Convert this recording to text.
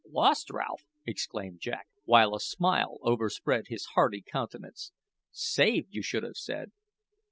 "Lost, Ralph!" exclaimed Jack, while a smile overspread his hearty countenance. "Saved, you should have said.